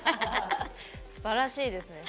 すばらしいですね。